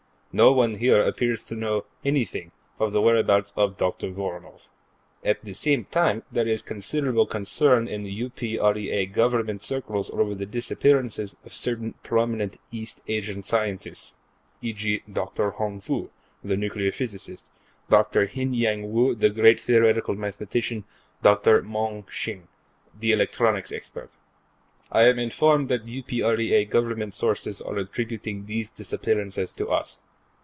No one here appears to know anything of the whereabouts of Dr. Voronoff. At the same time, there is considerable concern in UPREA Government circles over the disappearances of certain prominent East Asian scientists, e.g.. Dr. Hong Foo, the nuclear physicist; Dr. Hin Yang Woo, the great theoretical mathematician; Dr. Mong Shing, the electronics expert. I am informed that UPREA Government sources are attributing these disappearances to us.